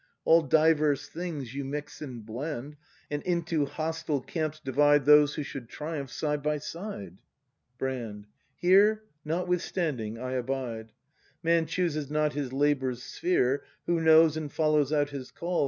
All diverse things you mix and blend, And into hostile camps divide Those who should triumph side by side. Brand. Here, notwithstanding, I abide. Man chooses not his labour's sphere. Who knows and follows out his call.